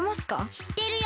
しってるよ。